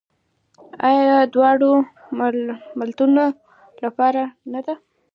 آیا د دواړو ملتونو لپاره نه ده؟